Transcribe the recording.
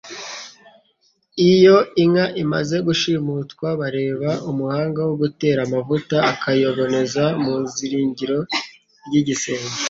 Iyo inka imaze gushimutwa bareba umuhanga wo gutera amavuta akayaboneza mu izingiro ry’igisenge,